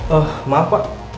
oh maaf pak